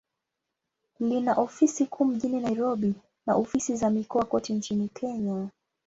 Lina ofisi kuu mjini Nairobi, na ofisi za mikoa kote nchini Kenya.